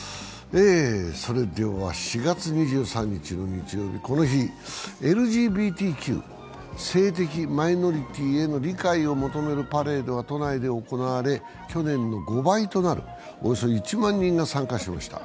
それでは４月２３日日曜日、この日、ＬＧＢＴＱ、性的マイノリティーへの理解を求めるパレードが都内で行われ、去年の５倍となる、およそ１万人が参加しました。